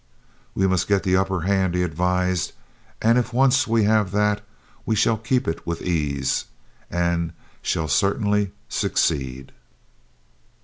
"We must get the upper hand," he advised, "and if once we have that, we shall keep it with ease, and shall certainly succeed."